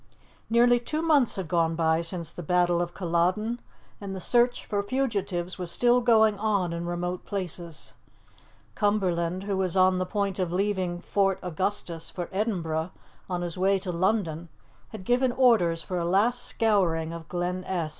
Nearly two months had gone by since the Battle of Culloden, and the search for fugitives was still going on in remote places. Cumberland, who was on the point of leaving Fort Augustus for Edinburgh on his way to London, had given orders for a last scouring of Glen Esk.